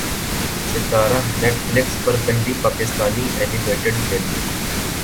ستارہ Netflix پر پہلی پاکستانی اینیمیٹڈ فلم